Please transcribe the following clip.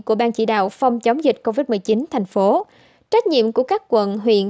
của ban chỉ đạo phòng chống dịch covid một mươi chín thành phố trách nhiệm của các quận huyện